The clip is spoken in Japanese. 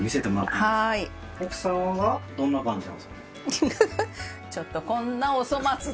奥様はどんな感じなんですか？